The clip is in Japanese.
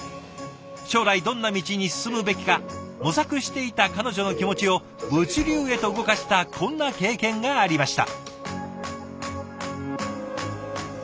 将来どんな道に進むべきか模索していた彼女の気持ちを物流へと動かしたこんな経験がありました。